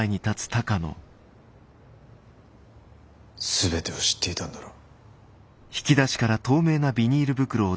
全てを知っていたんだろう？